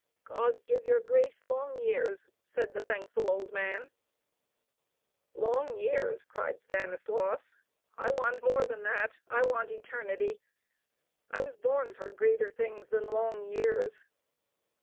"God give your grace long years!" said the thankful old man. "Long years!" cried Stanislaus. I want more than that. I want eternity. I was born for greater things than long years."